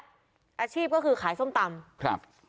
อาชีพก็คือขายส้มตำ